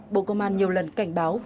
bộ công an nhiều lần cảnh báo và đồng ý